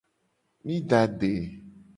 Mi da ade.